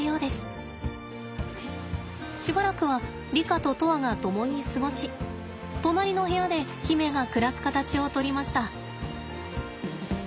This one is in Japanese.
しばらくはリカと砥愛が共に過ごし隣の部屋で媛が暮らす形をとりました。